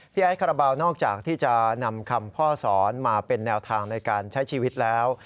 ไอซ์คาราบาลนอกจากที่จะนำคำพ่อสอนมาเป็นแนวทางในการใช้ชีวิตแล้ว